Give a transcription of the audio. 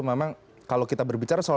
memang kalau kita berbicara soal